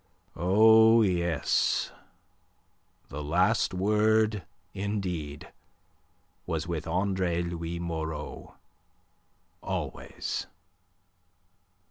Oh, yes; the last word, indeed, was with Andre Louis Moreau always!